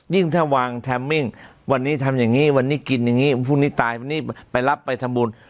ถ้าวางแทมมิ่งวันนี้ทำอย่างนี้วันนี้กินอย่างนี้พรุ่งนี้ตายวันนี้ไปรับไปทำบุญ